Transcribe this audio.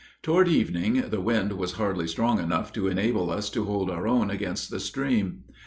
Toward evening the wind was hardly strong enough to enable us to hold our own against the stream.